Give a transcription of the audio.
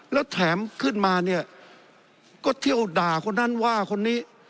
แล้วแถมขึ้นมาเนี่ยก็เที่ยวด่าคนนั้นว่าคนนี้